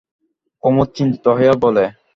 কুমুদ চিন্তিত হইয়া বলে।